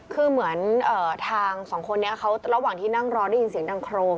คือเหมือนทางสองคนนี้เขาระหว่างที่นั่งรอได้ยินเสียงดังโครม